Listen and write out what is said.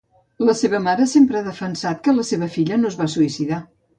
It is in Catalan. La seva mare sempre ha defensat que la seva filla no es va suïcidar.